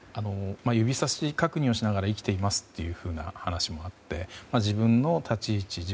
指さし確認をしながら生きていますという話もあって、自分の立ち位置